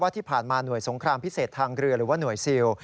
ที่ผ่านมาหน่วยสงครามพิเศษทางเรือหรือว่าหน่วยซิล